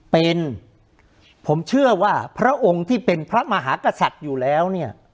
เป็นผมเชื่อว่าพระองค์ที่เป็นพระมหากษัตริย์อยู่แล้วเนี่ย